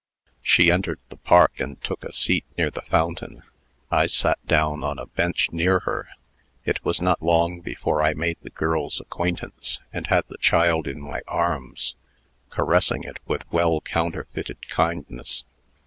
She entered the park, and took a seat near the fountain. I sat down on a bench near her. It was not long before I made the girl's acquaintance, and had the child in my arms, caressing it with well counterfeited kindness.